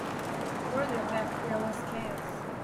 Further back there was chaos.